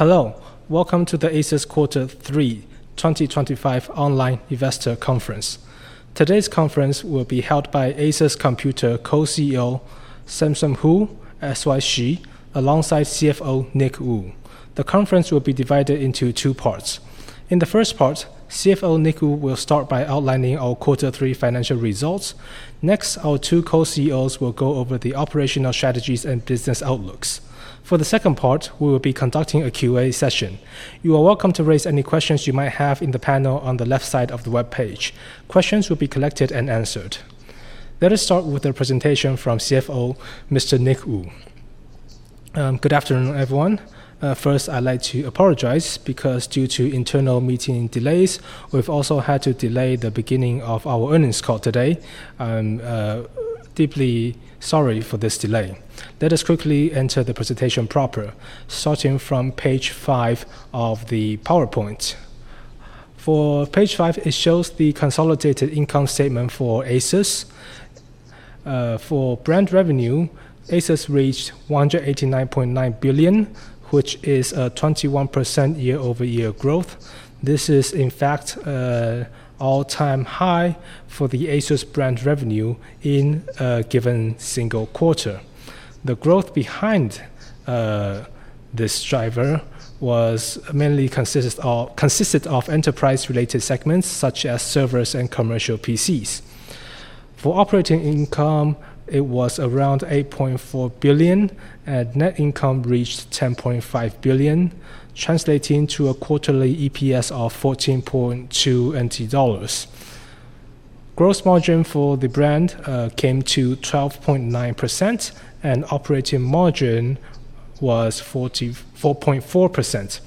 Hello, welcome to the ASUS Quarter 3 2025 Online Investor Conference. Today's conference will be held by ASUS Co-CEO Samson Hu, Shi Chang Hsu, alongside CFO Nick Wu. The conference will be divided into two parts. In the first part, CFO Nick Wu will start by outlining our quarter three financial results. Next, our two Co-CEOs will go over the operational strategies and business outlooks. For the second part, we will be conducting a Q&A session. You are welcome to raise any questions you might have in the panel on the left side of the web page. Questions will be collected and answered. Let us start with the presentation from CFO, Mr. Nick Wu. Good afternoon, everyone. First, I'd like to apologize because, due to internal meeting delays, we've also had to delay the beginning of our earnings call today. I'm deeply sorry for this delay. Let us quickly enter the presentation proper, starting from page 5 of the PowerPoint. For page 5, it shows the consolidated income statement for ASUS. For brand revenue, ASUS reached $189.9 billion, which is a 21% year-over-year growth. This is, in fact, an all-time high for the ASUS brand revenue in a given single quarter. The growth behind this driver mainly consisted of enterprise-related segments, such as servers and commercial PCs. For operating income, it was around $8.4 billion, and net income reached $10.5 billion, translating to a quarterly EPS of $14.20. Gross margin for the brand came to 12.9%, and operating margin was 4.4%.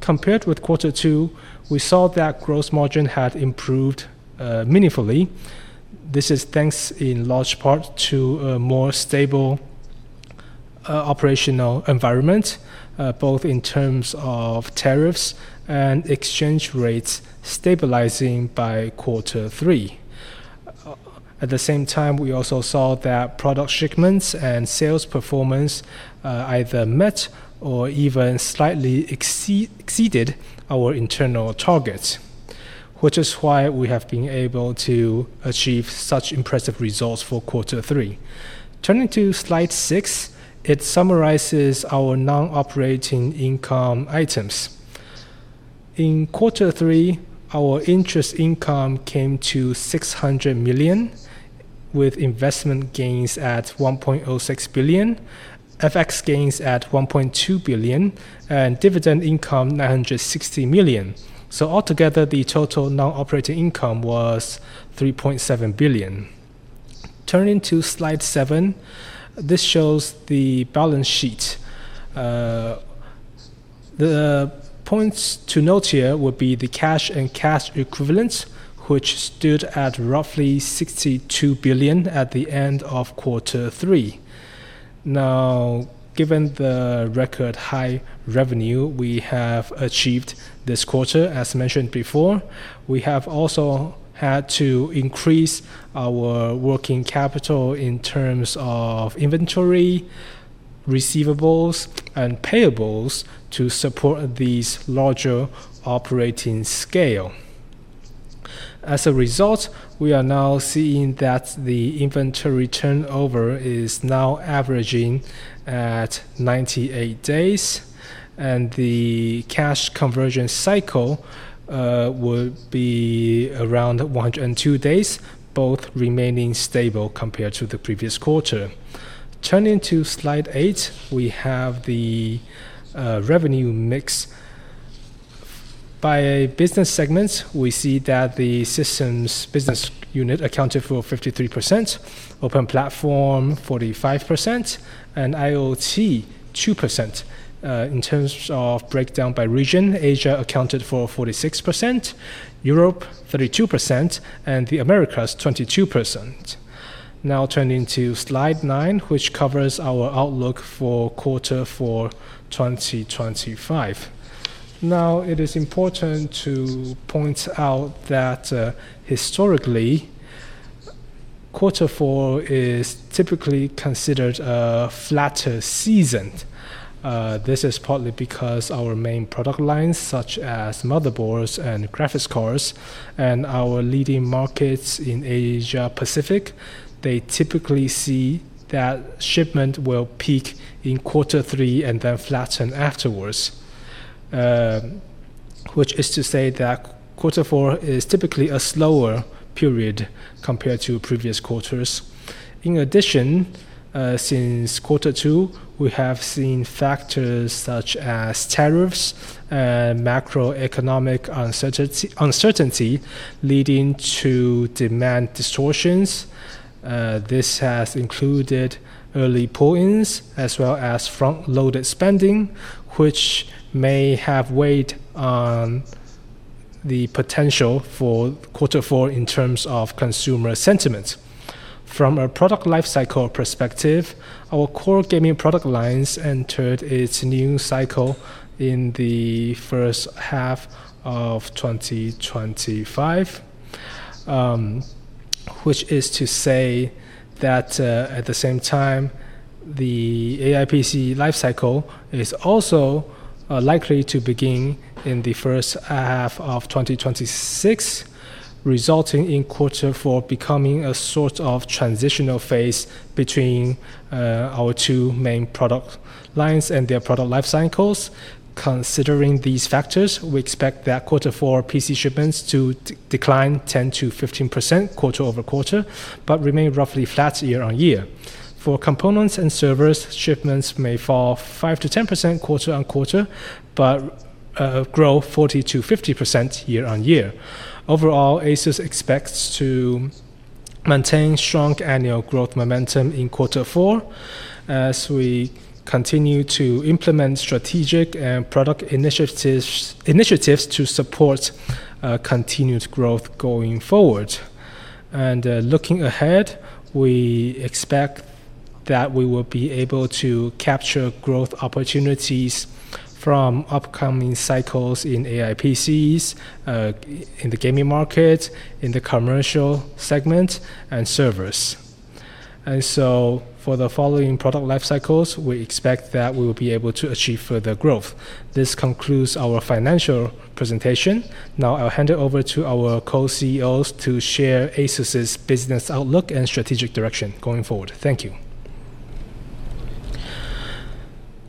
Compared with quarter two, we saw that gross margin had improved meaningfully. This is thanks in large part to a more stable operational environment, both in terms of tariffs and exchange rates stabilizing by quarter three. At the same time, we also saw that product shipments and sales performance either met or even slightly exceeded our internal targets, which is why we have been able to achieve such impressive results for quarter three. Turning to slide 6, it summarizes our non-operating income items. In quarter three, our interest income came to $600 million, with investment gains at $1.06 billion, FX gains at $1.2 billion, and dividend income $960 million. Altogether, the total non-operating income was $3.7 billion. Turning to slide 7, this shows the balance sheet. The points to note here would be the cash and cash equivalent, which stood at roughly $62 billion at the end of quarter three. Now, given the record high revenue we have achieved this quarter, as mentioned before, we have also had to increase our working capital in terms of inventory, receivables, and payables to support these larger operating scales. As a result, we are now seeing that the inventory turnover is now averaging at 98 days, and the cash conversion cycle would be around 102 days, both remaining stable compared to the previous quarter. Turning to slide 8, we have the revenue mix. By business segments, we see that the systems business unit accounted for 53%, open platform 45%, and IoT 2%. In terms of breakdown by region, Asia accounted for 46%, Europe 32%, and the Americas 22%. Now turning to slide 9, which covers our outlook for quarter four, 2025. Now, it is important to point out that historically, quarter four is typically considered a flatter season. This is partly because our main product lines, such as motherboards and graphics cards, and our leading markets in Asia-Pacific, they typically see that shipment will peak in quarter three and then flatten afterwards, which is to say that quarter three is typically a slower period compared to previous quarters. In addition, since quarter two, we have seen factors such as tariffs and macroeconomic uncertainty leading to demand distortions. This has included early points as well as front-loaded spending, which may have weighed on the potential for quarter four in terms of consumer sentiment. From a product lifecycle perspective, our core gaming product lines entered its new cycle in the first half of 2025, which is to say that at the same time, the AI PC lifecycle is also likely to begin in the first half of 2026, resulting in quarter four becoming a sort of transitional phase between our two main product lines and their product lifecycles. Considering these factors, we expect that quarter four PC shipments to decline 10%-15% quarter-over-quarter, but remain roughly flat year on year. For components and servers, shipments may fall 5%-10% quarter-on-quarter, but grow 40%-50% year on year. Overall, ASUS expects to maintain strong annual growth momentum in quarter four as we continue to implement strategic and product initiatives to support continued growth going forward. Looking ahead, we expect that we will be able to capture growth opportunities from upcoming cycles in AI PCs, in the gaming market, in the commercial segment, and servers. For the following product lifecycles, we expect that we will be able to achieve further growth. This concludes our financial presentation. Now I'll hand it over to our Co-CEOs to share ASUS's business outlook and strategic direction going forward. Thank you.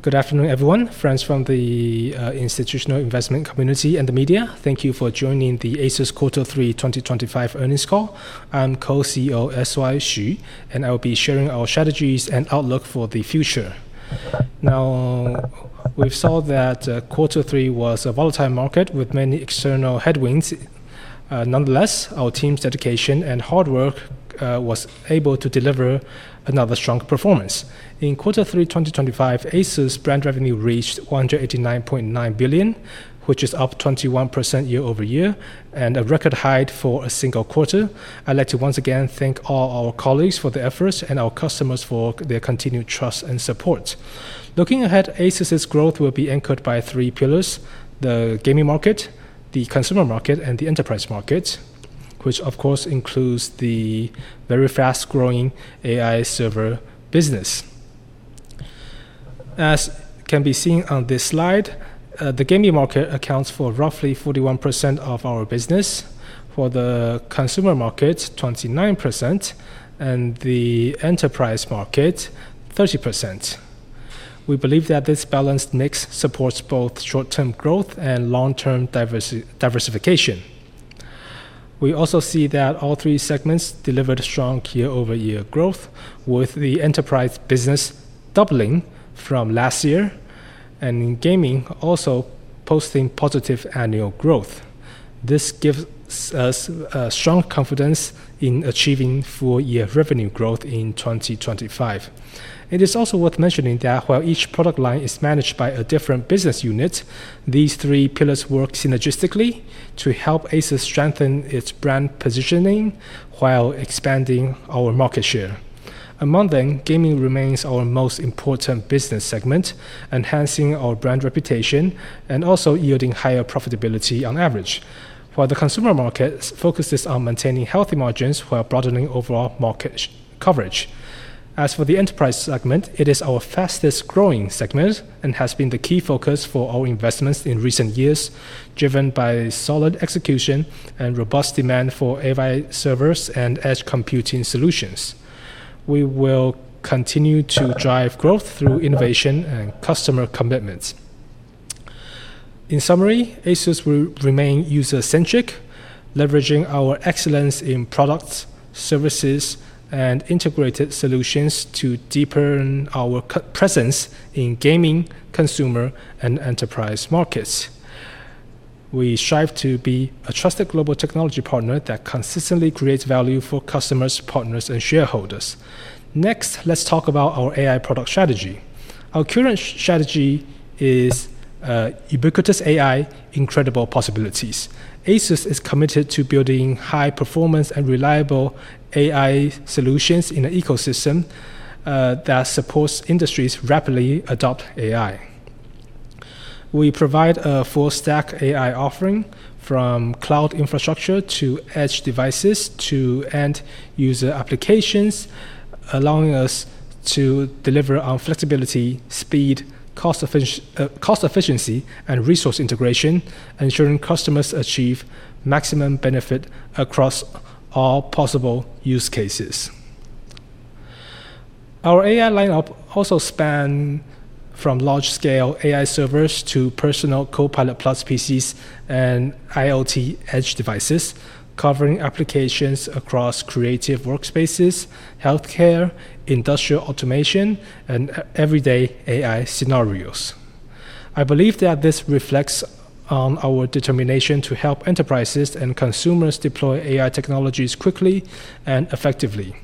Good afternoon, everyone. Friends from the institutional investment community and the media, thank you for joining the ASUS Quarter Three 2025 earnings call. I'm Co-CEO S.Y. Hsu, and I'll be sharing our strategies and outlook for the future. We saw that quarter three was a volatile market with many external headwinds. Nonetheless, our team's dedication and hard work were able to deliver another strong performance. In quarter three, 2025, ASUS brand revenue reached $189.9 billion, which is up 21% year-over-year, and a record high for a single quarter. I'd like to once again thank all our colleagues for their efforts and our customers for their continued trust and support. Looking ahead, ASUS's growth will be anchored by three pillars: the gaming market, the consumer market, and the enterprise market, which of course includes the very fast-growing AI server business. As can be seen on this slide, the gaming market accounts for roughly 41% of our business, for the consumer market 29%, and the enterprise market 30%. We believe that this balanced mix supports both short-term growth and long-term diversification. We also see that all 3 segments delivered strong year-over-year growth, with the enterprise business doubling from last year, and gaming also posting positive annual growth. This gives us strong confidence in achieving full-year revenue growth in 2025. It is also worth mentioning that while each product line is managed by a different business unit, these 3 pillars work synergistically to help ASUS strengthen its brand positioning while expanding our market share. Among them, gaming remains our most important business segment, enhancing our brand reputation and also yielding higher profitability on average, while the consumer market focuses on maintaining healthy margins while broadening overall market coverage. As for the enterprise segment, it is our fastest-growing segment and has been the key focus for our investments in recent years, driven by solid execution and robust demand for AI servers and edge computing solutions. We will continue to drive growth through innovation and customer commitment. In summary, ASUS will remain user-centric, leveraging our excellence in products, services, and integrated solutions to deepen our presence in gaming, consumer, and enterprise markets. We strive to be a trusted global technology partner that consistently creates value for customers, partners, and shareholders. Next, let's talk about our AI product strategy. Our current strategy is Ubiquitous AI: Incredible Possibilities. ASUS is committed to building high-performance and reliable AI solutions in an ecosystem that supports industries rapidly adopt AI. We provide a full-stack AI offering, from cloud infrastructure to edge devices to end-user applications, allowing us to deliver on flexibility, speed, cost efficiency, and resource integration, ensuring customers achieve maximum benefit across all possible use cases. Our AI lineup also spans from large-scale AI servers to personal Copilot+ PCs and IoT edge devices, covering applications across creative workspaces, healthcare, industrial automation, and everyday AI scenarios. I believe that this reflects our determination to help enterprises and consumers deploy AI technologies quickly and effectively.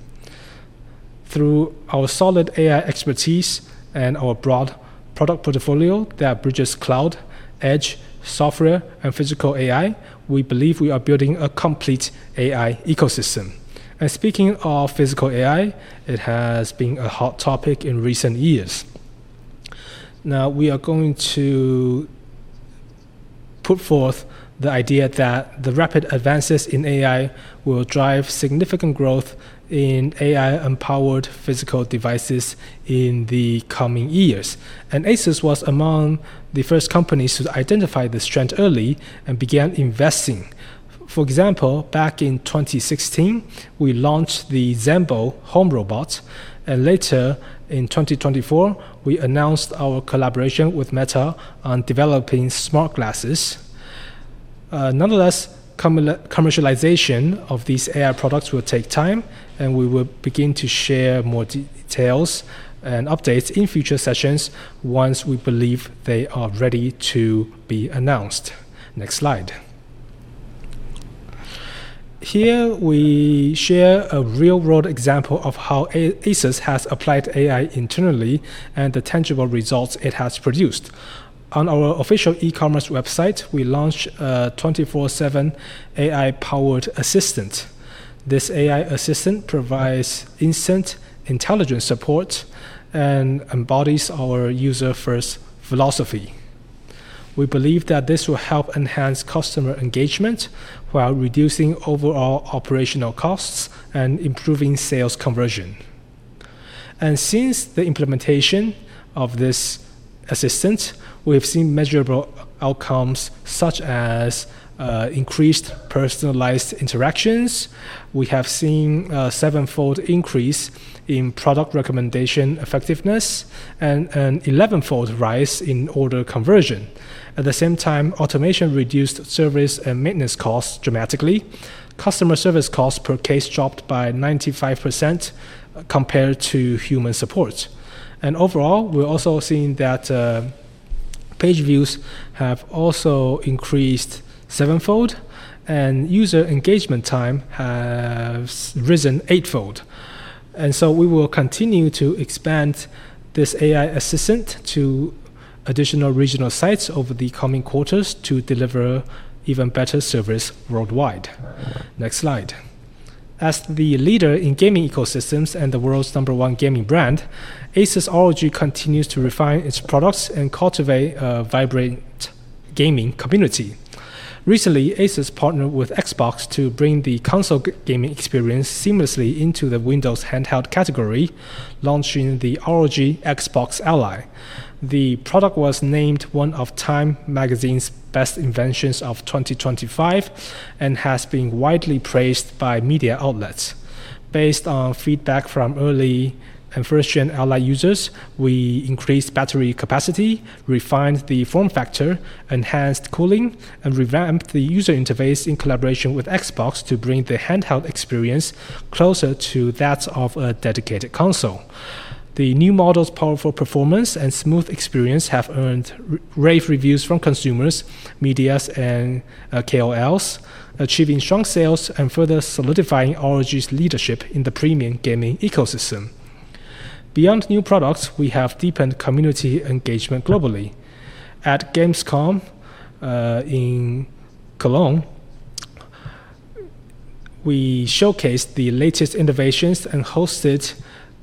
Through our solid AI expertise and our broad product portfolio that bridges cloud, edge, software, and physical AI, we believe we are building a complete AI ecosystem. Speaking of physical AI, it has been a hot topic in recent years. Now, we are going to put forth the idea that the rapid advances in AI will drive significant growth in AI-empowered physical devices in the coming years. ASUS was among the first companies to identify the strength early and began investing. For example, back in 2016, we launched the Zenbo home robot, and later in 2024, we announced our collaboration with Meta on developing smart glasses. Nonetheless, commercialization of these AI products will take time, and we will begin to share more details and updates in future sessions once we believe they are ready to be announced. Next slide. Here we share a real-world example of how ASUS has applied AI internally and the tangible results it has produced. On our official e-commerce website, we launched a 24/7 AI-powered assistant. This AI assistant provides instant intelligence support and embodies our user-first philosophy. We believe that this will help enhance customer engagement while reducing overall operational costs and improving sales conversion. Since the implementation of this assistant, we have seen measurable outcomes such as increased personalized interactions. We have seen a seven-fold increase in product recommendation effectiveness and an eleven-fold rise in order conversion. At the same time, automation reduced service and maintenance costs dramatically. Customer service costs per case dropped by 95% compared to human support. Overall, we're also seeing that page views have increased seven-fold, and user engagement time has risen eight-fold. We will continue to expand this AI assistant to additional regional sites over the coming quarters to deliver even better service worldwide. Next slide. As the leader in gaming ecosystems and the world's number 1 gaming brand, ASUS ROG continues to refine its products and cultivate a vibrant gaming community. Recently, ASUS partnered with Xbox to bring the console gaming experience seamlessly into the Windows handheld category, launching the ROG Xbox Ally. The product was named one of Time Magazine's best inventions of 2025 and has been widely praised by media outlets. Based on feedback from early and first-gen Ally users, we increased battery capacity, refined the form factor, enhanced cooling, and revamped the user interface in collaboration with Xbox to bring the handheld experience closer to that of a dedicated console. The new model's powerful performance and smooth experience have earned rave reviews from consumers, media, and KOLs, achieving strong sales and further solidifying ROG's leadership in the premium gaming ecosystem. Beyond new products, we have deepened community engagement globally. At Gamescom in Cologne, we showcased the latest innovations and hosted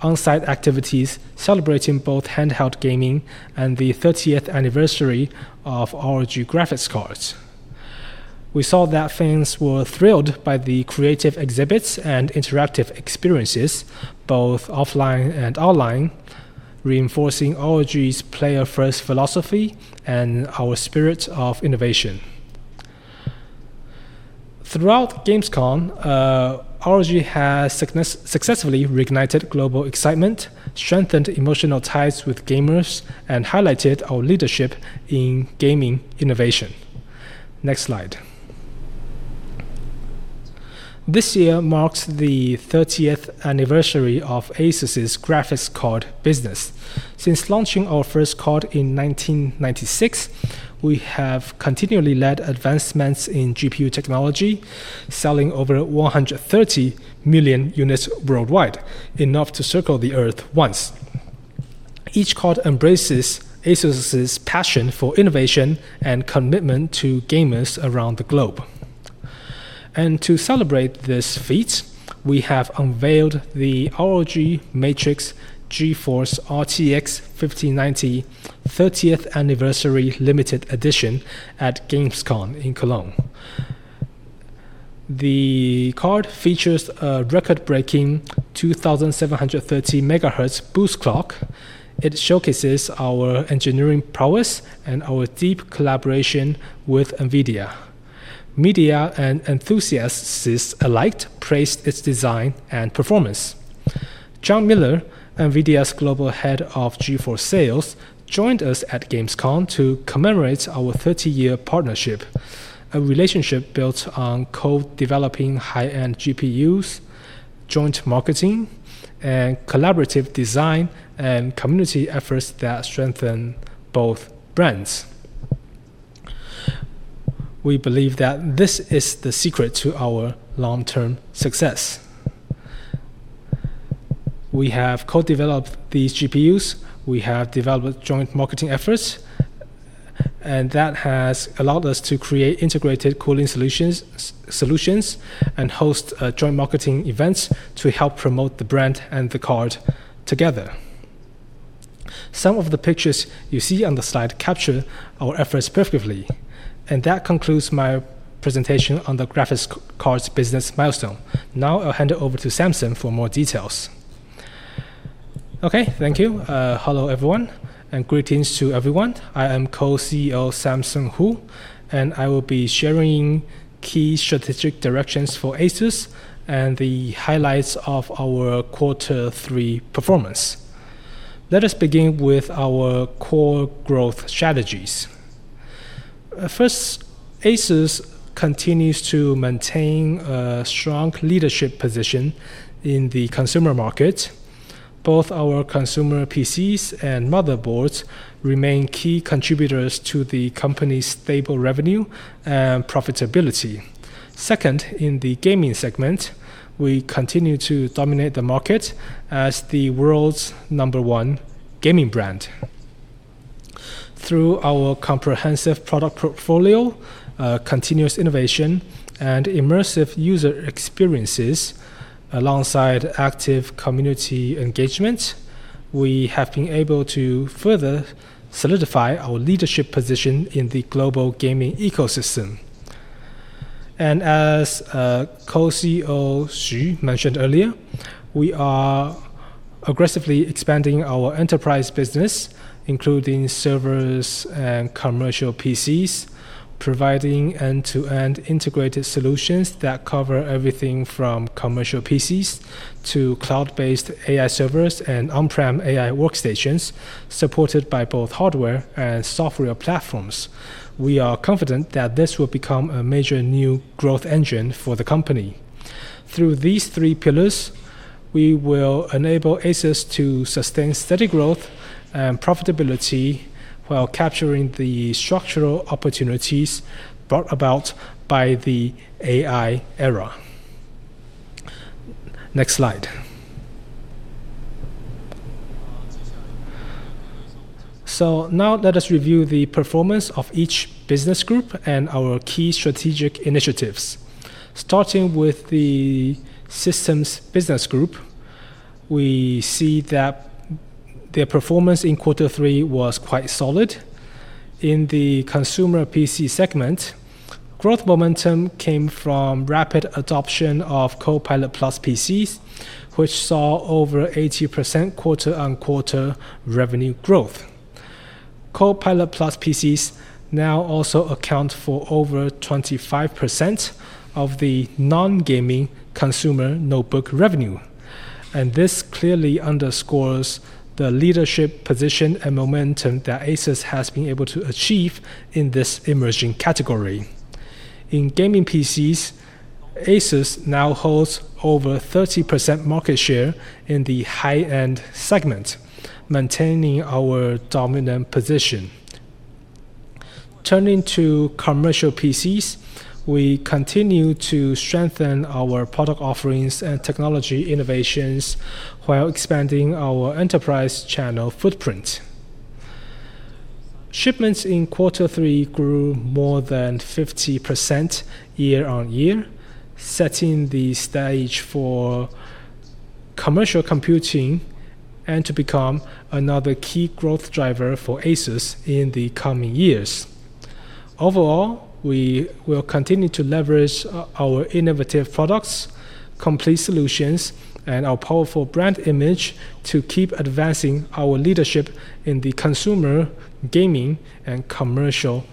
on-site activities celebrating both handheld gaming and the 30th anniversary of ROG graphics cards. We saw that fans were thrilled by the creative exhibits and interactive experiences, both offline and online, reinforcing ROG's player-first philosophy and our spirit of innovation. Throughout Gamescom, ROG has successfully reignited global excitement, strengthened emotional ties with gamers, and highlighted our leadership in gaming innovation. Next slide. This year marks the 30th anniversary of ASUS's graphics card business. Since launching our first card in 1996, we have continually led advancements in GPU technology, selling over 130 million units worldwide, enough to circle the Earth once. Each card embraces ASUS's passion for innovation and commitment to gamers around the globe. To celebrate this feat, we have unveiled the ROG Matrix GeForce RTX 5090 30th Anniversary Limited Edition at Gamescom in Cologne. The card features a record-breaking 2730 MHz boost clock. It showcases our engineering prowess and our deep collaboration with NVIDIA. Media and enthusiasts alike praised its design and performance. John Miller, NVIDIA's global head of GeForce Sales, joined us at Gamescom to commemorate our 30-year partnership, a relationship built on co-developing high-end GPUs, joint marketing, and collaborative design and community efforts that strengthen both brands. We believe that this is the secret to our long-term success. We have co-developed these GPUs. We have developed joint marketing efforts, and that has allowed us to create integrated cooling solutions and host joint marketing events to help promote the brand and the card together. Some of the pictures you see on the slide capture our efforts perfectly. That concludes my presentation on the graphics card's business milestone. Now I'll hand it over to Samson for more details. Okay, thank you. Hello everyone, and greetings to everyone. I am Co-CEO Samson Hu, and I will be sharing key strategic directions for ASUS and the highlights of our quarter three performance. Let us begin with our core growth strategies. First, ASUS continues to maintain a strong leadership position in the consumer market. Both our consumer PCs and motherboards remain key contributors to the company's stable revenue and profitability. Second, in the gaming segment, we continue to dominate the market as the world's number one gaming brand. Through our comprehensive product portfolio, continuous innovation, and immersive user experiences, alongside active community engagement, we have been able to further solidify our leadership position in the global gaming ecosystem. As Co-CEO Hsu mentioned earlier, we are aggressively expanding our enterprise business, including servers and commercial PCs, providing end-to-end integrated solutions that cover everything from commercial PCs to cloud-based AI servers and on-prem AI workstations supported by both hardware and software platforms. We are confident that this will become a major new growth engine for the company. Through these three pillars, we will enable ASUS to sustain steady growth and profitability while capturing the structural opportunities brought about by the AI era. Next slide. Now let us review the performance of each business group and our key strategic initiatives. Starting with the Systems Business Group, we see that their performance in quarter three was quite solid. In the consumer PC segment, growth momentum came from rapid adoption of Copilot+ PCs, which saw over 80% quarter-on-quarter revenue growth. Copilot+ PCs now also account for over 25% of the non-gaming consumer notebook revenue. This clearly underscores the leadership position and momentum that ASUS has been able to achieve in this emerging category. In gaming PCs, ASUS now holds over 30% market share in the high-end segment, maintaining our dominant position. Turning to commercial PCs, we continue to strengthen our product offerings and technology innovations while expanding our enterprise channel footprint. Shipments in quarter three grew more than 50% year-on-year, setting the stage for commercial computing to become another key growth driver for ASUS in the coming years. Overall, we will continue to leverage our innovative products, complete solutions, and our powerful brand image to keep advancing our leadership in the consumer gaming and commercial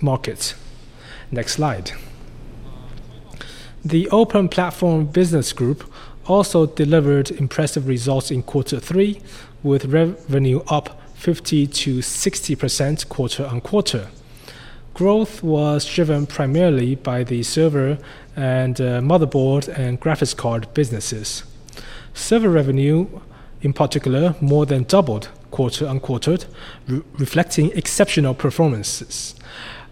markets. Next slide. The Open Platform Business Group also delivered impressive results in quarter three, with revenue up 50%-60% quarter-on-quarter. Growth was driven primarily by the server and motherboard and graphics card businesses. Server revenue, in particular, more than doubled quarter-on-quarter, reflecting exceptional performances.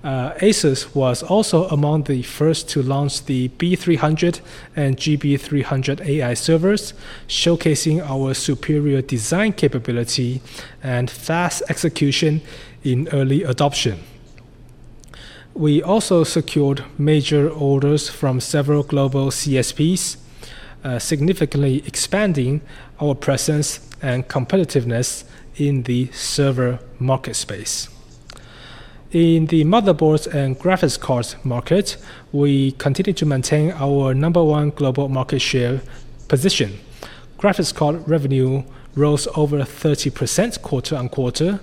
ASUS was also among the first to launch the B300 and GB300 AI servers, showcasing our superior design capability and fast execution in early adoption. We also secured major orders from several global CSPs, significantly expanding our presence and competitiveness in the server market space. In the motherboards and graphics cards market, we continue to maintain our number one global market share position. Graphics card revenue rose over 30% quarter-on-quarter,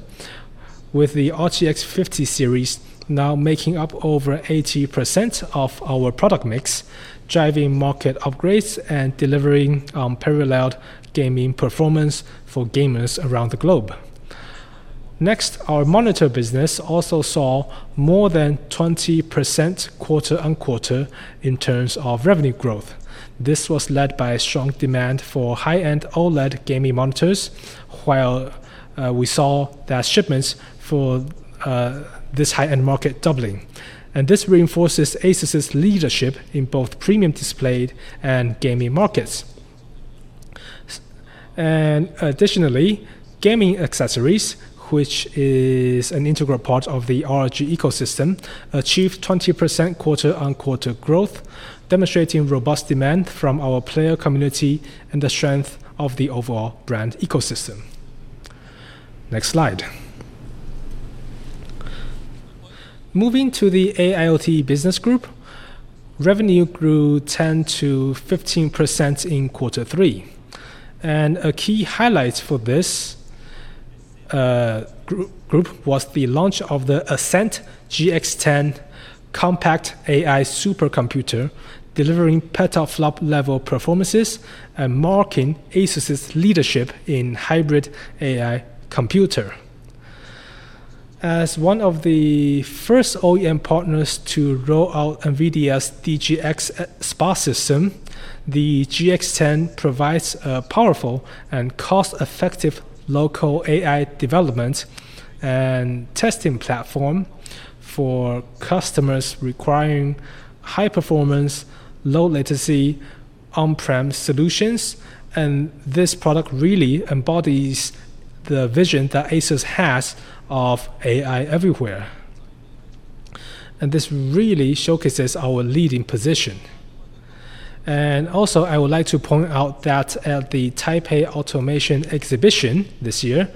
with the RTX 50 Series now making up over 80% of our product mix, driving market upgrades and delivering unparalleled gaming performance for gamers around the globe. Next, our monitor business also saw more than 20% quarter-on-quarter in terms of revenue growth. This was led by strong demand for high-end OLED gaming monitors, while we saw that shipments for this high-end market doubling. This reinforces ASUS's leadership in both premium display and gaming markets. Additionally, gaming accessories, which is an integral part of the ROG ecosystem, achieved 20% quarter-on-quarter growth, demonstrating robust demand from our player community and the strength of the overall brand ecosystem. Next slide. Moving to the AIoT Business Group, revenue grew 10%-15% in quarter three. A key highlight for this group was the launch of the Ascend GX10 Compact AI Supercomputer, delivering petaflop-level performances and marking ASUS's leadership in hybrid AI computer. As one of the first OEM partners to roll out NVIDIA's DGX Spa system, the GX10 provides a powerful and cost-effective local AI development and testing platform for customers requiring high-performance, low-latency on-prem solutions. This product really embodies the vision that ASUS has of AI everywhere. This really showcases our leading position. I would also like to point out that at the Taipei Automation Exhibition this year,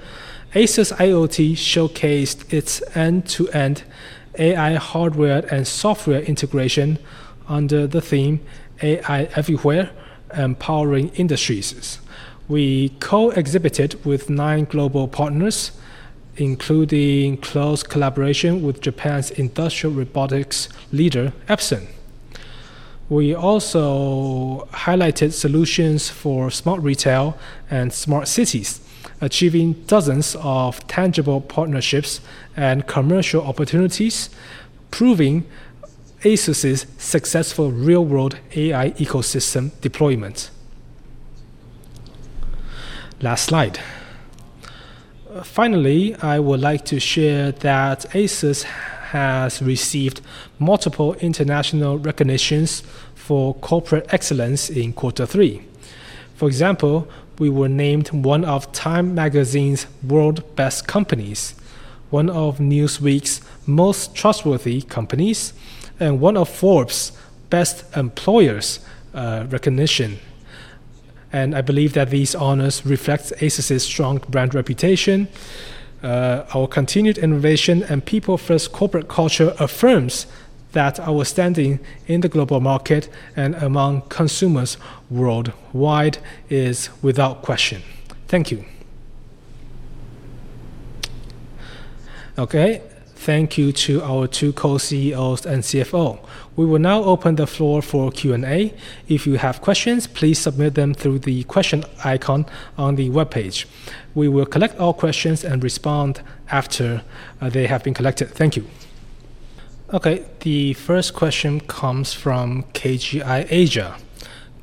ASUS IoT showcased its end-to-end AI hardware and software integration under the theme "AI Everywhere: Empowering Industries." We co-exhibited with nine global partners, including close collaboration with Japan's industrial robotics leader, Epson. We also highlighted solutions for smart retail and smart cities, achieving dozens of tangible partnerships and commercial opportunities, proving ASUS's successful real-world AI ecosystem deployment. Last slide. Finally, I would like to share that ASUS has received multiple international recognitions for corporate excellence in quarter three. For example, we were named one of Time Magazine's World's Best Companies, one of Newsweek's Most Trustworthy Companies, and one of Forbes' Best Employers recognition. I believe that these honors reflect ASUS's strong brand reputation. Our continued innovation and people-first corporate culture affirms that our standing in the global market and among consumers worldwide is without question. Thank you. Okay, thank you to our two Co-CEOs and CFO. We will now open the floor for Q&A. If you have questions, please submit them through the question icon on the webpage. We will collect all questions and respond after they have been collected. Thank you. Okay, the first question comes from KGI Asia.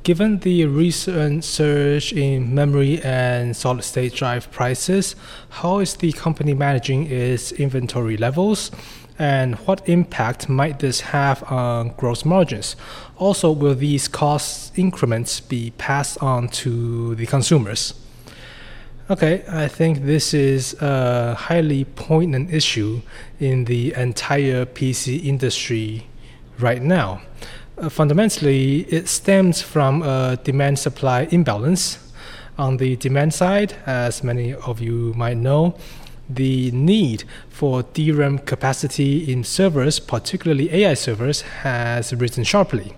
Given the recent surge in memory and solid-state drive prices, how is the company managing its inventory levels, and what impact might this have on gross margins? Also, will these cost increments be passed on to the consumers? Okay, I think this is a highly poignant issue in the entire PC industry right now. Fundamentally, it stems from a demand-supply imbalance. On the demand side, as many of you might know, the need for DRAM capacity in servers, particularly AI servers, has risen sharply.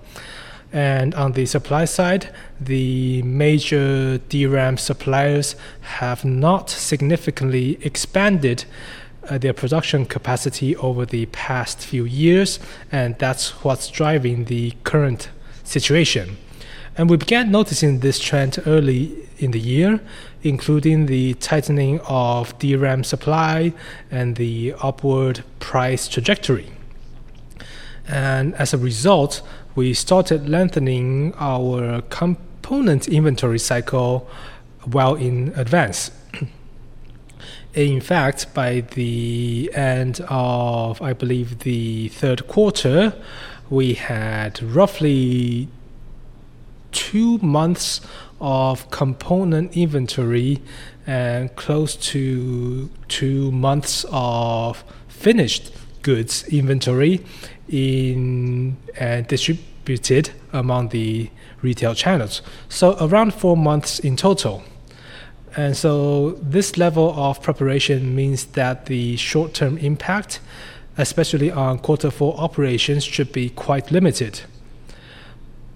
On the supply side, the major DRAM suppliers have not significantly expanded their production capacity over the past few years, and that's what's driving the current situation. We began noticing this trend early in the year, including the tightening of DRAM supply and the upward price trajectory. As a result, we started lengthening our component inventory cycle well in advance. In fact, by the end of, I believe, the 3rd quarter, we had roughly 2 months of component inventory and close to 2 months of finished goods inventory distributed among the retail channels, so around four months in total. This level of preparation means that the short-term impact, especially on quarter four operations, should be quite limited.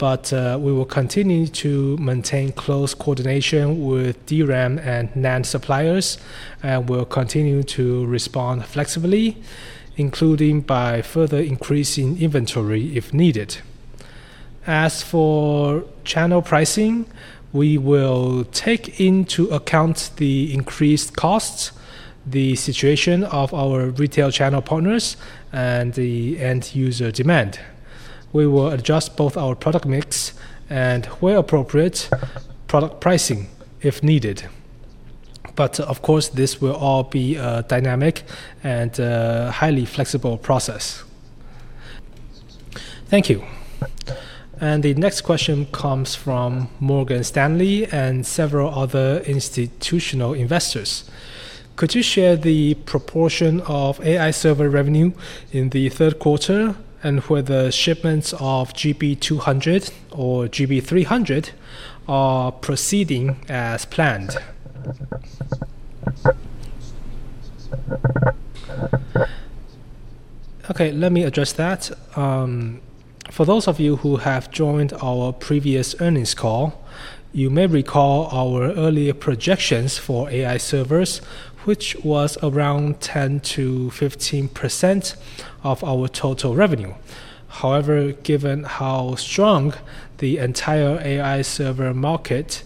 We will continue to maintain close coordination with DRAM and NAND suppliers, and we'll continue to respond flexibly, including by further increasing inventory if needed. As for channel pricing, we will take into account the increased costs, the situation of our retail channel partners, and the end-user demand. We will adjust both our product mix and, where appropriate, product pricing if needed. Of course, this will all be a dynamic and highly flexible process. Thank you. The next question comes from Morgan Stanley and several other institutional investors. Could you share the proportion of AI server revenue in the 3rd quarter and whether shipments of GB300 are proceeding as planned? Okay, let me address that. For those of you who have joined our previous earnings call, you may recall our earlier projections for AI servers, which was around 10%-15% of our total revenue. However, given how strong the entire AI server market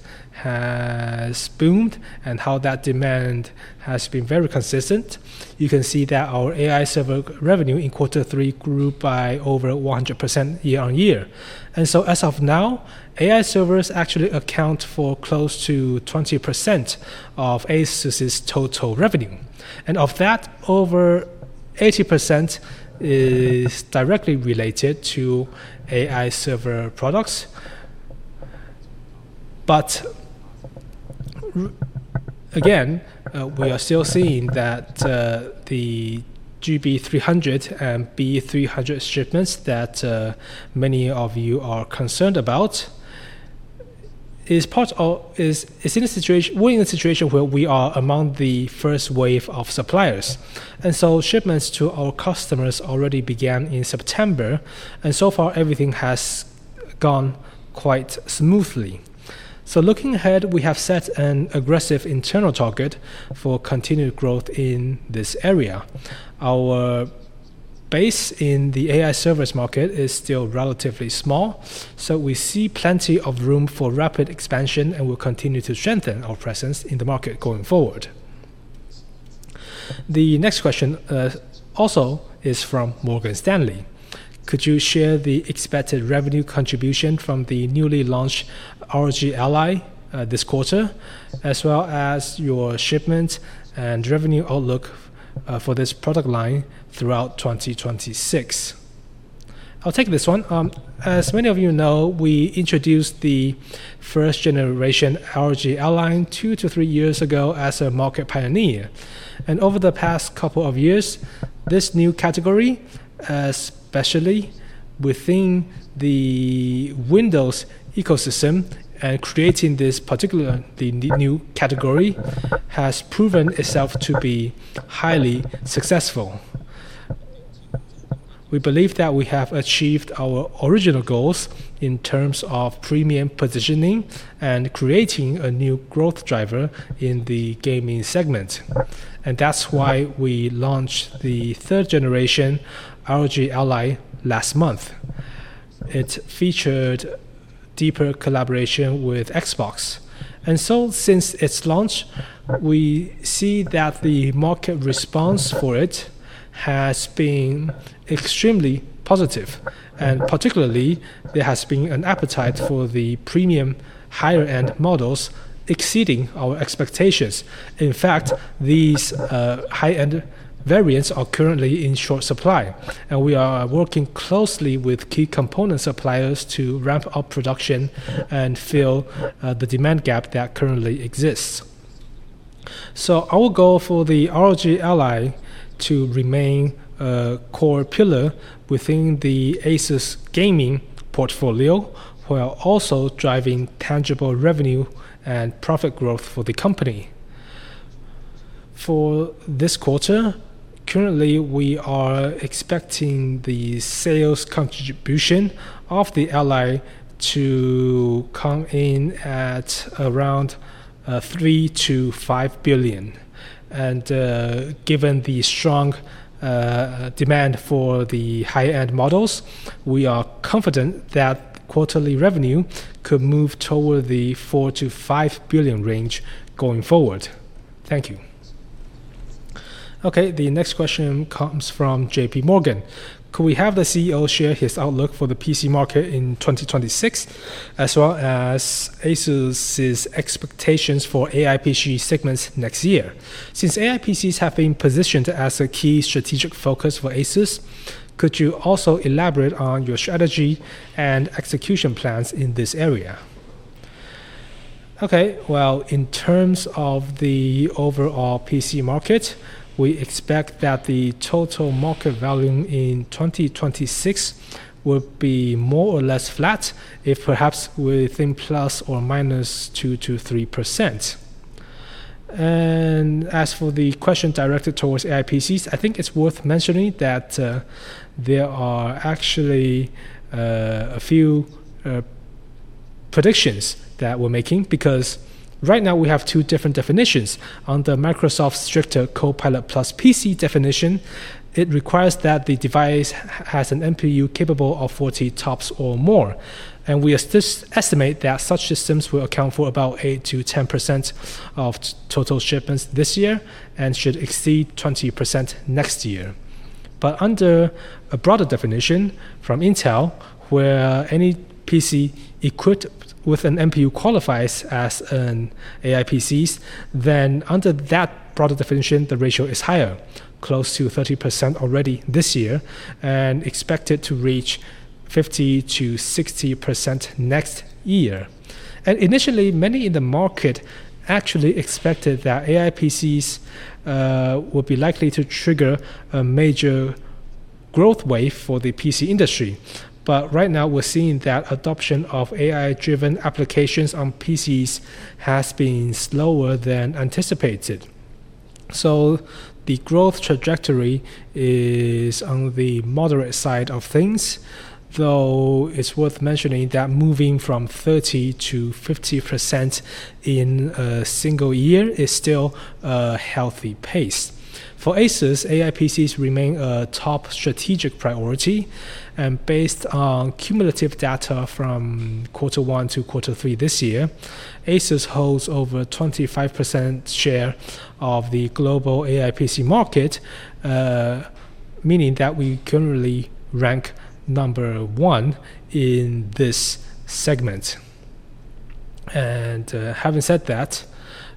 has boomed and how that demand has been very consistent, you can see that our AI server revenue in quarter three grew by over 100% year-on-year. As of now, AI servers actually account for close to 20% of ASUS's total revenue. Of that, over 80% is directly related to AI server products. We are still seeing that the GB300 and B300 shipments that many of you are concerned about is in a situation where we are among the first wave of suppliers. Shipments to our customers already began in September, and so far everything has gone quite smoothly. Looking ahead, we have set an aggressive internal target for continued growth in this area. Our base in the AI servers market is still relatively small, so we see plenty of room for rapid expansion and will continue to strengthen our presence in the market going forward. The next question also is from Morgan Stanley. Could you share the expected revenue contribution from the newly launched ROG Ally this quarter, as well as your shipment and revenue outlook for this product line throughout 2026? I'll take this one. As many of you know, we introduced the first-generation ROG Ally 2-3 years ago as a market pioneer. Over the past couple of years, this new category, especially within the Windows ecosystem and creating this particular new category, has proven itself to be highly successful. We believe that we have achieved our original goals in terms of premium positioning and creating a new growth driver in the gaming segment. That is why we launched the 3rd generation ROG Ally last month. It featured deeper collaboration with Xbox. Since its launch, we see that the market response for it has been extremely positive. Particularly, there has been an appetite for the premium higher-end models exceeding our expectations. In fact, these high-end variants are currently in short supply. We are working closely with key component suppliers to ramp up production and fill the demand gap that currently exists. Our goal for the ROG Ally is to remain a core pillar within the ASUS gaming portfolio, while also driving tangible revenue and profit growth for the company. For this quarter, currently, we are expecting the sales contribution of the Ally to come in at around $3 billion-$5 billion. Given the strong demand for the high-end models, we are confident that quarterly revenue could move toward the $4 billion-$5 billion range going forward. Thank you. Okay, the next question comes from JP Morgan. Could we have the CEO share his outlook for the PC market in 2026, as well as ASUS's expectations for AI PC segments next year? Since AI PCs have been positioned as a key strategic focus for ASUS, could you also elaborate on your strategy and execution plans in this area? In terms of the overall PC market, we expect that the total market volume in 2026 will be more or less flat, if perhaps within ±2% to 3%. As for the question directed towards AI PCs, I think it's worth mentioning that there are actually a few predictions that we're making because right now we have two different definitions. On the Microsoft stricter Copilot+ PC definition, it requires that the device has an NPU capable of 40 TOPS or more. We estimate that such systems will account for about 8%-10% of total shipments this year and should exceed 20% next year. Under a broader definition from Intel, where any PC equipped with an NPU qualifies as an AI PC, then under that broader definition, the ratio is higher, close to 30% already this year and expected to reach 50%-60% next year. Initially, many in the market actually expected that AI PCs would be likely to trigger a major growth wave for the PC industry. Right now, we're seeing that adoption of AI-driven applications on PCs has been slower than anticipated. The growth trajectory is on the moderate side of things, though it's worth mentioning that moving from 30% to 50% in a single year is still a healthy pace. For ASUS, AI PCs remain a top strategic priority. Based on cumulative data from quarter one to quarter three this year, ASUS holds over a 25% share of the global AI PC market, meaning that we currently rank number one in this segment. Having said that,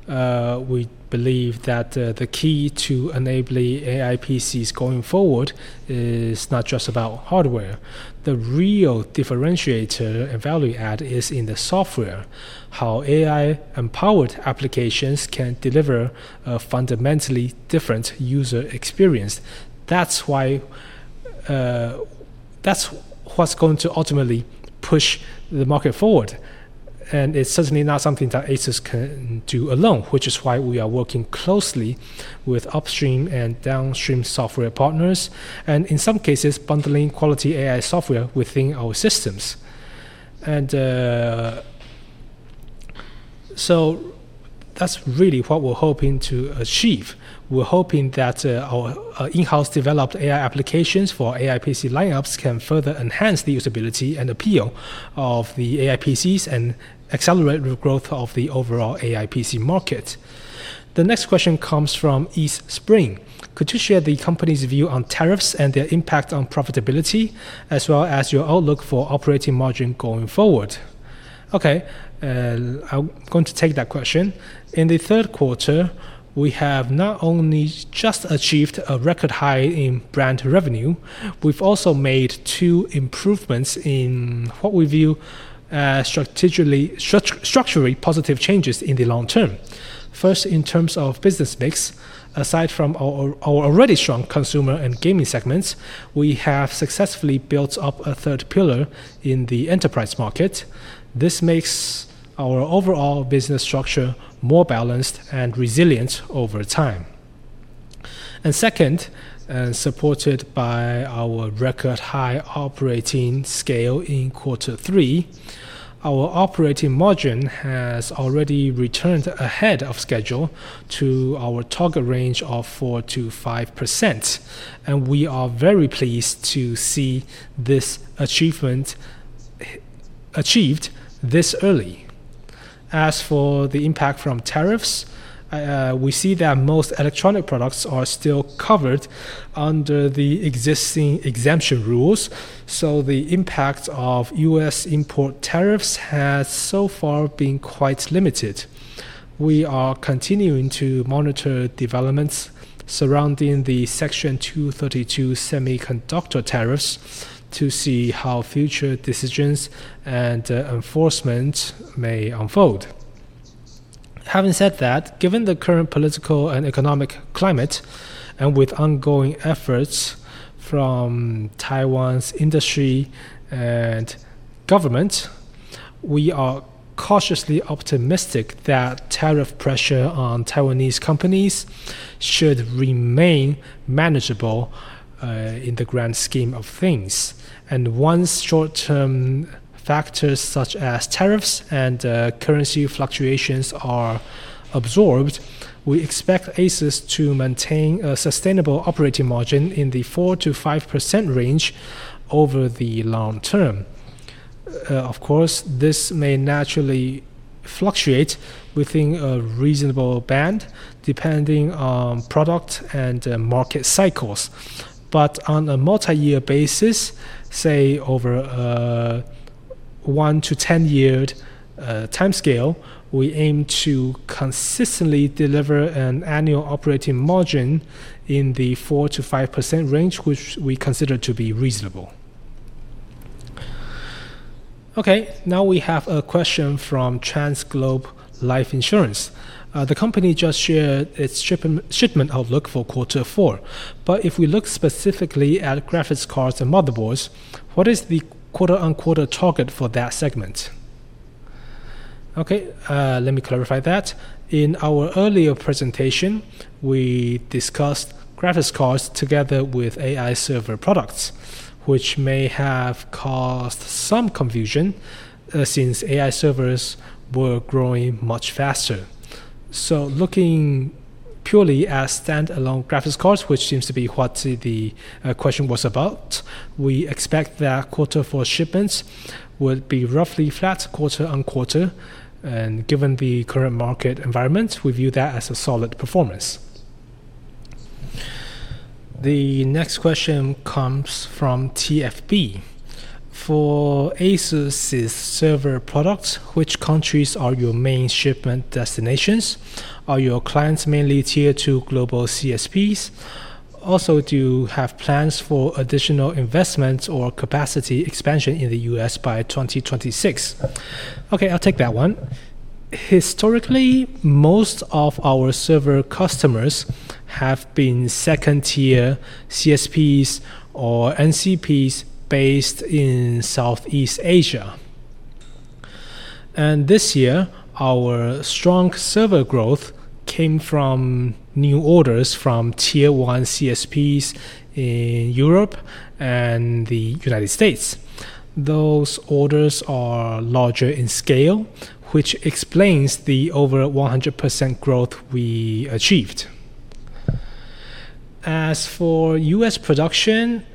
we believe that the key to enabling AI PCs going forward is not just about hardware. The real differentiator and value add is in the software, how AI-empowered applications can deliver a fundamentally different user experience. That is what is going to ultimately push the market forward. It is certainly not something that ASUS can do alone, which is why we are working closely with upstream and downstream software partners, and in some cases, bundling quality AI software within our systems. That is really what we are hoping to achieve. We're hoping that our in-house developed AI applications for AI PC lineups can further enhance the usability and appeal of the AI PCs and accelerate the growth of the overall AI PC market. The next question comes from East Spring. Could you share the company's view on tariffs and their impact on profitability, as well as your outlook for operating margin going forward? Okay, I'm going to take that question. In the 3rd quarter, we have not only just achieved a record high in brand revenue, we've also made two improvements in what we view as structurally positive changes in the long term. First, in terms of business mix, aside from our already strong consumer and gaming segments, we have successfully built up a third pillar in the enterprise market. This makes our overall business structure more balanced and resilient over time. Second, supported by our record high operating scale in quarter three, our operating margin has already returned ahead of schedule to our target range of 4%-5%. We are very pleased to see this achievement achieved this early. As for the impact from tariffs, we see that most electronic products are still covered under the existing exemption rules. The impact of U.S. import tariffs has so far been quite limited. We are continuing to monitor developments surrounding the Section 232 semiconductor tariffs to see how future decisions and enforcement may unfold. Having said that, given the current political and economic climate, and with ongoing efforts from Taiwan's industry and government, we are cautiously optimistic that tariff pressure on Taiwanese companies should remain manageable in the grand scheme of things. Once short-term factors such as tariffs and currency fluctuations are absorbed, we expect ASUS to maintain a sustainable operating margin in the 4%-5% range over the long term. Of course, this may naturally fluctuate within a reasonable band depending on product and market cycles. On a multi-year basis, say over a 1-10 year timescale, we aim to consistently deliver an annual operating margin in the 4%-5% range, which we consider to be reasonable. Okay, now we have a question from Trans Globe Life Insurance. The company just shared its shipment outlook for quarter four. If we look specifically at graphics cards and motherboards, what is the quarter-on-quarter target for that segment? Okay, let me clarify that. In our earlier presentation, we discussed graphics cards together with AI server products, which may have caused some confusion since AI servers were growing much faster. Looking purely at standalone graphics cards, which seems to be what the question was about, we expect that quarter four shipments would be roughly flat quarter-on-quarter. Given the current market environment, we view that as a solid performance. The next question comes from TFB. For ASUS's server products, which countries are your main shipment destinations? Are your clients mainly tier 2 global CSPs? Also, do you have plans for additional investments or capacity expansion in the U.S. by 2026? Okay, I'll take that one. Historically, most of our server customers have been second-tier CSPs or NCPs based in Southeast Asia. This year, our strong server growth came from new orders from tier 1 CSPs in Europe and the United States. Those orders are larger in scale, which explains the over 100% growth we achieved. As for U.S. production,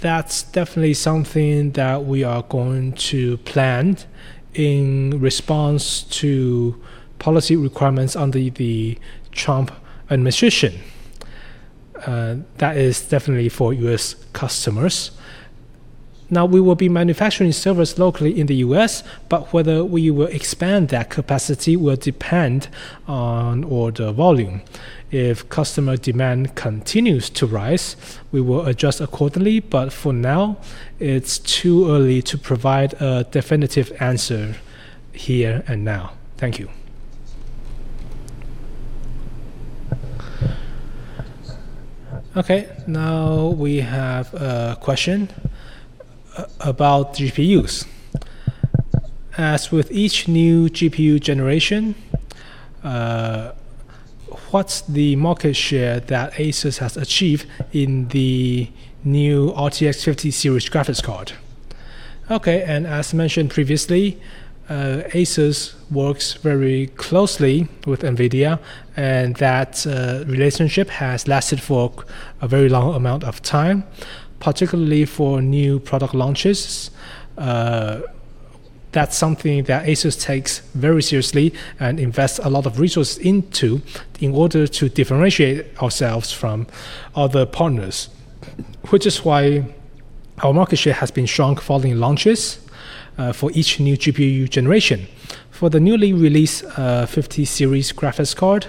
that's definitely something that we are going to plan in response to policy requirements under the Trump administration. That is definitely for U.S. customers. Now, we will be manufacturing servers locally in the U.S., but whether we will expand that capacity will depend on order volume. If customer demand continues to rise, we will adjust accordingly. For now, it's too early to provide a definitive answer here and now. Thank you. Okay, now we have a question about GPUs. As with each new GPU generation, what's the market share that ASUS has achieved in the new RTX 50 Series graphics card? Okay, and as mentioned previously, ASUS works very closely with NVIDIA, and that relationship has lasted for a very long amount of time, particularly for new product launches. That's something that ASUS takes very seriously and invests a lot of resources into in order to differentiate ourselves from other partners, which is why our market share has been strong following launches for each new GPU generation. For the newly released 50 series graphics card,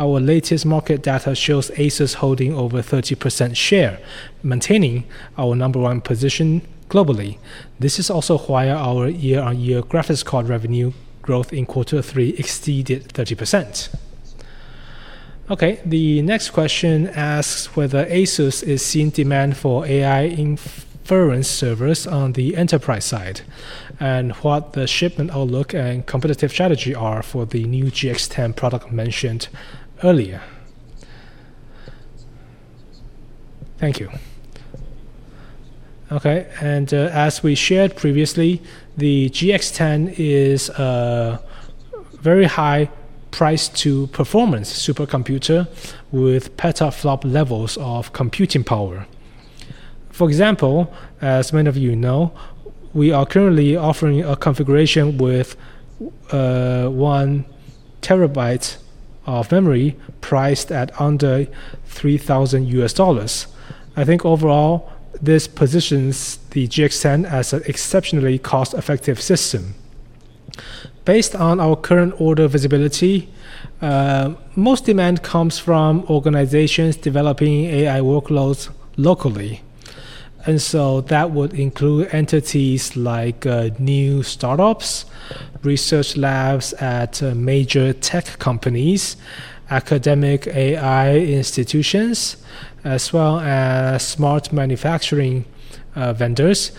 our latest market data shows ASUS holding over 30% share, maintaining our number 1 position globally. This is also why our year-on-year graphics card revenue growth in quarter three exceeded 30%. Okay, the next question asks whether ASUS is seeing demand for AI inference servers on the enterprise side and what the shipment outlook and competitive strategy are for the new GX10 product mentioned earlier. Thank you. Okay, and as we shared previously, the GX10 is a very high price-to-performance supercomputer with petaflop levels of computing power. For example, as many of you know, we are currently offering a configuration with 1 TB of memory priced at under $3,000. I think overall, this positions the GX10 as an exceptionally cost-effective system. Based on our current order visibility, most demand comes from organizations developing AI workloads locally. That would include entities like new startups, research labs at major tech companies, academic AI institutions, as well as smart manufacturing vendors.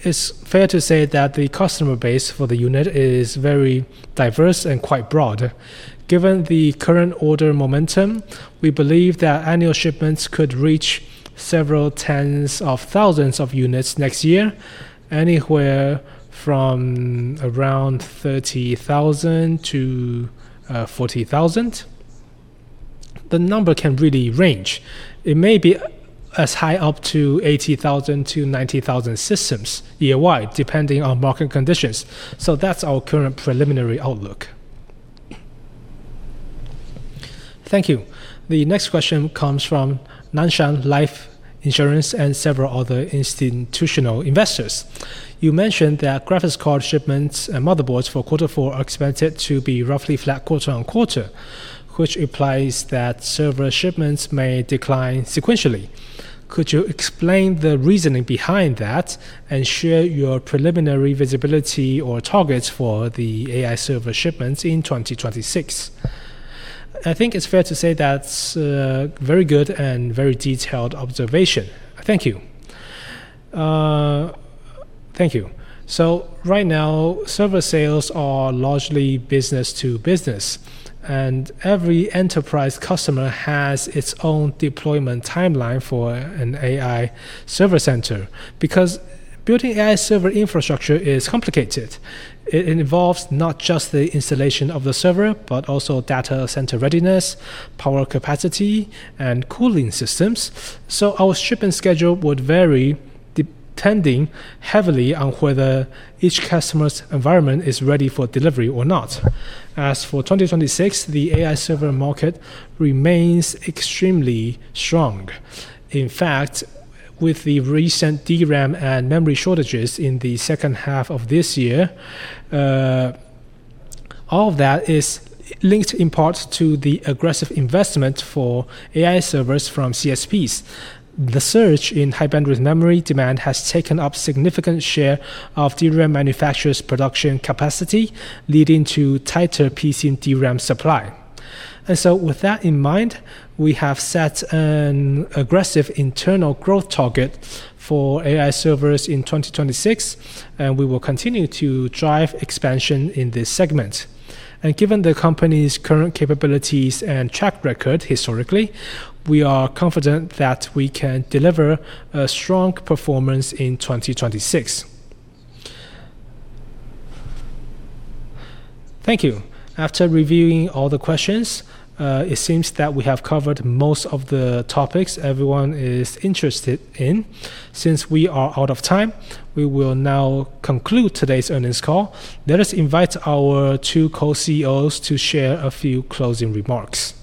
It is fair to say that the customer base for the unit is very diverse and quite broad. Given the current order momentum, we believe that annual shipments could reach several tens of thousands of units next year, anywhere from around 30,000-40,000. The number can really range. It may be as high up to 80,000-90,000 systems year-wide, depending on market conditions. That's our current preliminary outlook. Thank you. The next question comes from Nanshan Life Insurance and several other institutional investors. You mentioned that graphics card shipments and motherboards for quarter four are expected to be roughly flat quarter-on-quarter, which implies that server shipments may decline sequentially. Could you explain the reasoning behind that and share your preliminary visibility or targets for the AI server shipments in 2026? I think it's fair to say that's a very good and very detailed observation. Thank you. Thank you. Right now, server sales are largely business to business, and every enterprise customer has its own deployment timeline for an AI server center because building AI server infrastructure is complicated. It involves not just the installation of the server, but also data center readiness, power capacity, and cooling systems. Our shipment schedule would vary depending heavily on whether each customer's environment is ready for delivery or not. As for 2026, the AI server market remains extremely strong. In fact, with the recent DRAM and memory shortages in the second half of this year, all of that is linked in part to the aggressive investment for AI servers from CSPs. The surge in high-bandwidth memory demand has taken up a significant share of DRAM manufacturers' production capacity, leading to tighter PC and DRAM supply. With that in mind, we have set an aggressive internal growth target for AI servers in 2026, and we will continue to drive expansion in this segment. Given the company's current capabilities and track record historically, we are confident that we can deliver a strong performance in 2026. Thank you. After reviewing all the questions, it seems that we have covered most of the topics everyone is interested in. Since we are out of time, we will now conclude today's earnings call. Let us invite our two Co-CEOs to share a few closing remarks.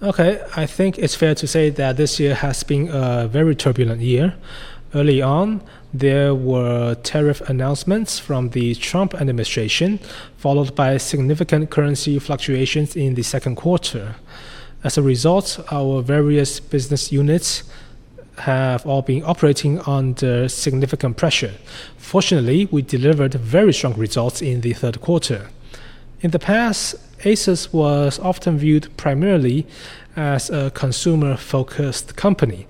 Okay, I think it's fair to say that this year has been a very turbulent year. Early on, there were tariff announcements from the Trump administration, followed by significant currency fluctuations in the 2nd quarter. As a result, our various business units have all been operating under significant pressure. Fortunately, we delivered very strong results in the 3rd quarter. In the past, ASUS was often viewed primarily as a consumer-focused company.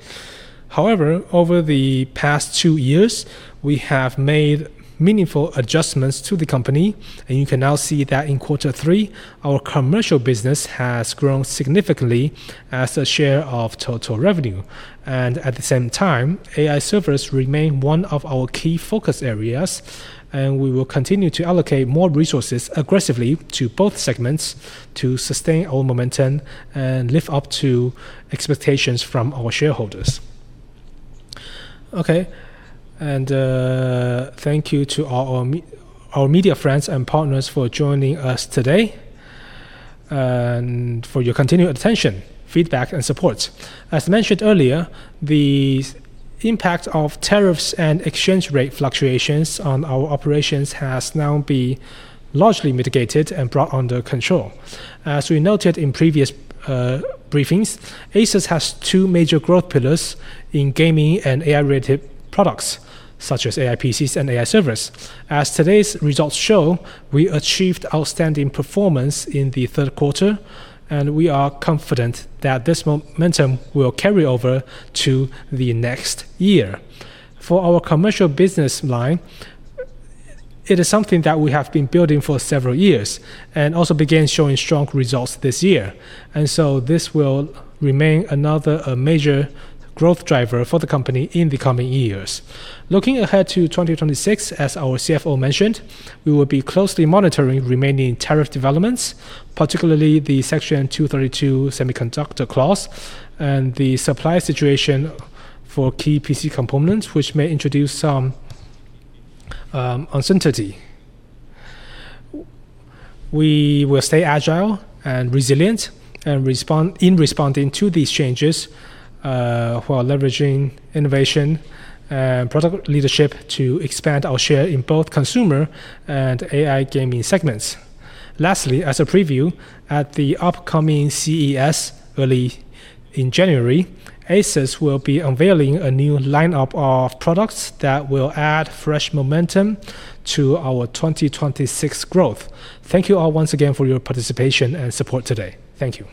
However, over the past two years, we have made meaningful adjustments to the company, and you can now see that in quarter three, our commercial business has grown significantly as a share of total revenue. At the same time, AI servers remain one of our key focus areas, and we will continue to allocate more resources aggressively to both segments to sustain our momentum and live up to expectations from our shareholders. Thank you to our media friends and partners for joining us today and for your continued attention, feedback, and support. As mentioned earlier, the impact of tariffs and exchange rate fluctuations on our operations has now been largely mitigated and brought under control. As we noted in previous briefings, ASUS has 2 major growth pillars in gaming and AI-related products, such as AI PCs and AI servers. As today's results show, we achieved outstanding performance in the 3rd quarter, and we are confident that this momentum will carry over to the next year. For our commercial business line, it is something that we have been building for several years and also began showing strong results this year. This will remain another major growth driver for the company in the coming years. Looking ahead to 2026, as our CFO mentioned, we will be closely monitoring remaining tariff developments, particularly the Section 232 Semiconductor Clause and the supply situation for key PC components, which may introduce some uncertainty. We will stay agile and resilient in responding to these changes while leveraging innovation and product leadership to expand our share in both consumer and AI gaming segments. Lastly, as a preview, at the upcoming CES early in January, ASUS will be unveiling a new lineup of products that will add fresh momentum to our 2026 growth. Thank you all once again for your participation and support today. Thank you.